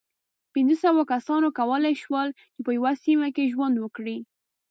پينځو سوو کسانو کولی شول، چې په یوه سیمه کې ژوند وکړي.